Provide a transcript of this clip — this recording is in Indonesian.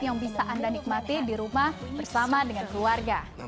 yang bisa anda nikmati di rumah bersama dengan keluarga